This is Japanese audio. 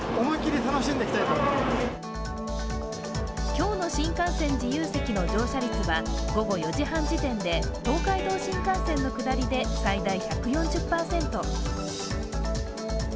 今日の新幹線自由席の乗車率は午後４時半時点で、東海道新幹線の下りで最大１４０％。